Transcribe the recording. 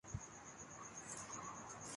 تاہم کہیں بھی حکومتیں ایسا نہیں کرتیں کہ